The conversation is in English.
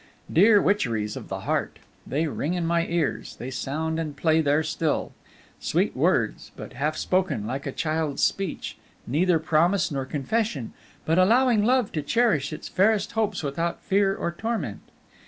Dear witcheries of the heart! They ring in my ears; they sound and play there still. Sweet words but half spoken, like a child's speech, neither promise nor confession, but allowing love to cherish its fairest hopes without fear or torment!